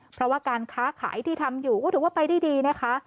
เพราะว่าการค้าขายที่ทำอยู่ก็ถือว่าไปได้ดีนะคะ